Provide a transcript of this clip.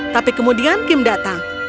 tapi kemudian kim datang